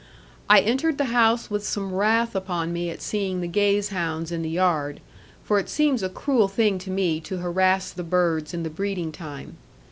I entered the house with some wrath upon me at seeing the gazehounds in the yard; for it seems a cruel thing to me to harass the birds in the breeding time.